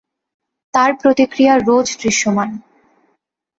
তার প্রতিক্রিয়া রোজ দৃশ্যমান।